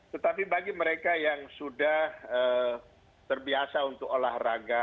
tetapi bagi mereka yang sudah terbiasa untuk olahraga